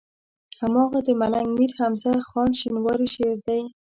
هماغه د ملنګ مير حمزه خان شينواري شعر دی.